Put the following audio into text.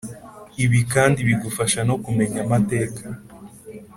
Ibi kandi bigufasha no kumenya amateka